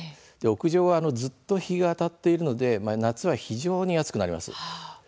屋上はずっと日が当たっているので夏は非常に熱くなります。